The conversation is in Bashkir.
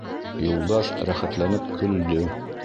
Юлдаш рәхәтләнеп көлдө.